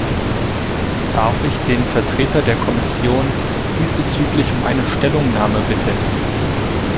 Darf ich den Vertreter der Kommission diesbezüglich um eine Stellungnahme bitten.